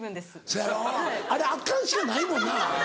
そやろあれ圧巻しかないもんな。